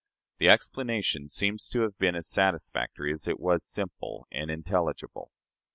The explanation seems to have been as satisfactory as it was simple and intelligible.